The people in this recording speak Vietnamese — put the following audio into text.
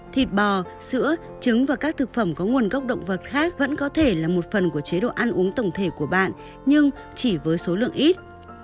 thịt bò sữa trứng và các thực phẩm có nguồn gốc động vật khác vẫn có thể là một phần của chế độ ăn uống tổng thể của bạn nhưng chỉ với số lượng ít